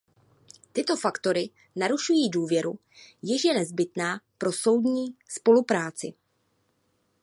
Tyto faktory narušují důvěru, jež je nezbytná pro soudní spolupráci.